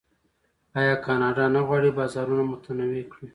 آیا کاناډا نه غواړي بازارونه متنوع کړي؟